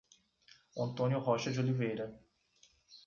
Antônio Rocha de Oliveira